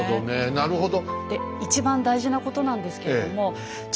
なるほど。